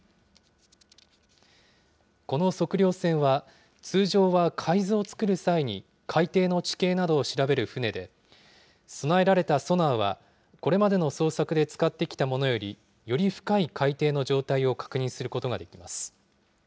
この測量船は、通常は海図を作る際に海底の地形などを調べる船で、備えられたソナーは、これまでの捜索で使ってきたものより、より深い海底の状態を確認することができます。